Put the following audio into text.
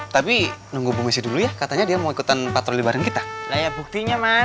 tapi nol mindo ya katanya dia mau ikutan patroli barang kita layak buktinya mana